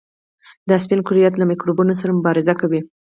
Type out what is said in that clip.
دا سپین کرویات له میکروبونو سره مبارزه کوي.